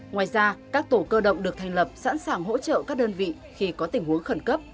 ngoài ra các tổ cơ động được thành lập sẵn sàng hỗ trợ các đơn vị khi có tình huống khẩn cấp